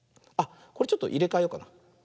これちょっといれかえようかな。